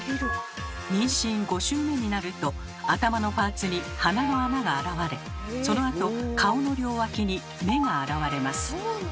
妊娠５週目になると頭のパーツに鼻の穴が現れそのあと顔の両脇に目が現れます。